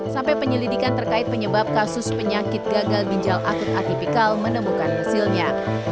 sampai penyelidikan terkait penyebab kasus penyakit gagal ginjal akut atipikal menemukan hasilnya